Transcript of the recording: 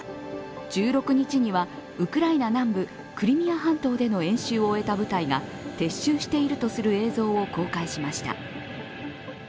１６日にはウクライナ南部、クリミア半島での演習を終えた部隊が撤収しているとする映像を公開しました。